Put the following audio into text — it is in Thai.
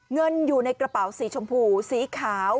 เงินอยู่ในกระเป๋าสีชมพูสีขาว